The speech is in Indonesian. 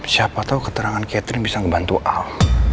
siapa tau keterangan catherine bisa ngebantu al